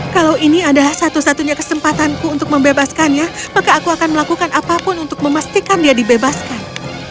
kalau ini adalah satu satunya kesempatanku untuk membebaskannya maka aku akan melakukan apapun untuk memastikan dia dibebaskan